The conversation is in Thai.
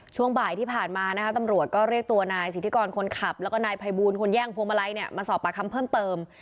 ช่วงบ่ายที่ผ่านมานะคะตำรวจก็เรียกตัวนายสิทธิกรคนขับแล้วก็นายภัยบูลคนแย่งพวงมาลัยเนี่ยมาสอบปากคำเพิ่มเติม